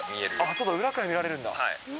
そうか、裏から見られるんだ。